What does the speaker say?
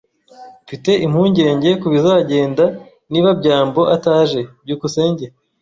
Mfite impungenge kubizagenda niba byambo ataje. byukusenge